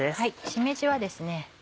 しめじはですね